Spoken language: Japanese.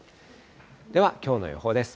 では、きょうの予報です。